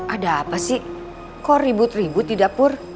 ada apa sih kok ribut ribut di dapur